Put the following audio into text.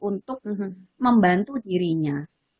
untuk membantu dirinya